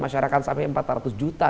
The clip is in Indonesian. masyarakat sampai empat ratus juta